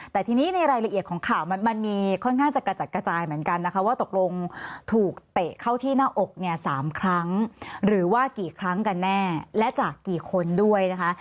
แต่ทีนี้ในรายละเอียดของข่าวมันมีค่อนข้างจะกระจัดกระจายเหมือนกันนะคะว่าตกลงถูกเตะเข้าที่หน้าอกเนี่ย๓ครั้งหรือว่ากี่ครั้งกันแน่และจากกี่คนด้วยนะคะ